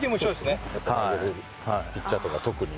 ピッチャーとか特に。